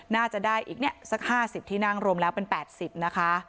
น่าจะได้อีกสัก๕๐ที่นั่งรวมแล้วเป็น๘๐นะคะ